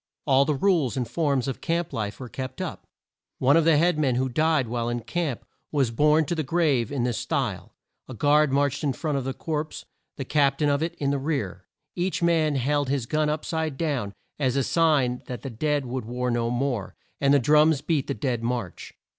All the rules and forms of camp life were kept up. One of the head men who died while in camp, was borne to the grave in this style: A guard marched in front of the corpse, the cap tain of it in the rear. Each man held his gun up side down, as a sign that the dead would war no more, and the drums beat the dead march.